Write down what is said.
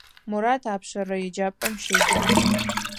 Мурат апшъэрэ еджапӏэм щеджэ.